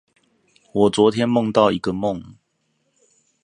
我昨天夢到一個夢